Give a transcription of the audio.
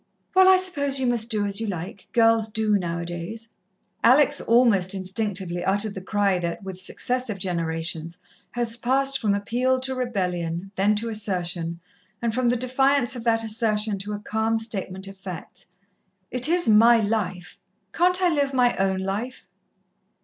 "Well, I suppose you must do as you like girls do, now a days." Alex almost instinctively uttered the cry that, with successive generations, has passed from appeal to rebellion, then to assertion, and from the defiance of that assertion to a calm statement of facts. "It is my life. Can't I live my own life?"